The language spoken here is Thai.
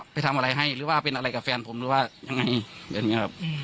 ไปทำอะไรให้หรือว่าเป็นอะไรกับแฟนผมหรือว่ายังไง